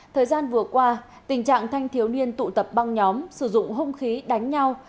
thời gian vừa qua tình trạng thanh thiếu niên tụ tập băng nhóm sử dụng hung khí đánh nhau